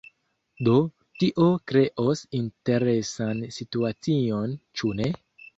Do, tio kreos interesan situacion, ĉu ne?